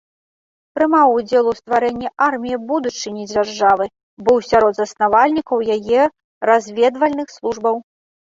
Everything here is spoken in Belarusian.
Прымаў удзел у стварэнні арміі будучыні дзяржавы, быў сярод заснавальнікаў яе разведвальных службаў.